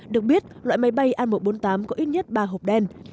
được biết loại máy bay a một trăm bốn mươi tám có ít nhất ba hộp đen